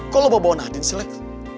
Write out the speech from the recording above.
kok lo bawa nadine sih lex